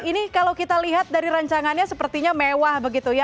ini kalau kita lihat dari rancangannya sepertinya mewah begitu ya